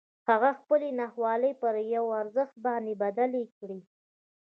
هغه خپلې ناخوالې پر یوه ارزښت باندې بدلې کړې